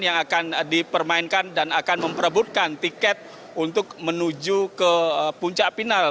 yang akan dipermainkan dan akan memperebutkan tiket untuk menuju ke puncak final